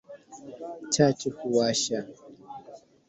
Chachu huwasha.